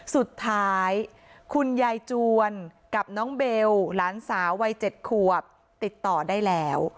สุดท้ายคุณยายจวนกับน้องเบลหลานสาววัย๗ขวบติดต่อได้แล้ว